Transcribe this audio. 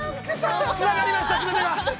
つながりました、全てが。